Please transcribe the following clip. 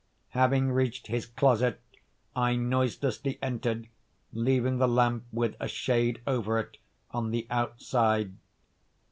Having reached his closet, I noiselessly entered, leaving the lamp, with a shade over it, on the outside.